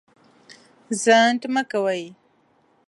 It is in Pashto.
ځنډ مه کوئ.